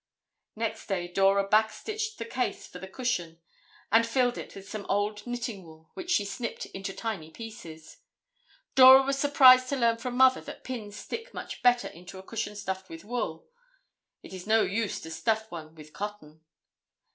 Next day Dora back stitched the case for the cushion and filled it with some old knitting wool which she snipped into tiny pieces. Dora was surprised to learn from Mother that pins stick much better into a cushion stuffed with wool. It is no use to stuff one with cotton.